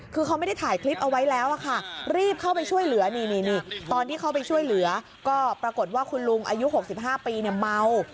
คือเขาไม่ได้ถ่ายคลิปเอาไว้แล้วค่ะรีบเข้าไปช่วยเหลือนี่ตอนที่เข้าไปช่วยเหลือก็ปรากฏว่าคุณลุงอายุ๖๕ปีเนี่ยเมา